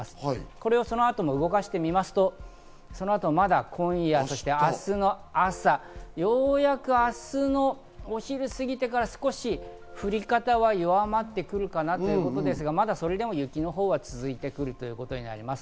この後も動かしてみますと、まだ今夜、明日の朝、ようやく、明日のお昼を過ぎてから少し降り方は弱まってくるかなというところですが、それでもまだ雪のほうは続いてくるということになります。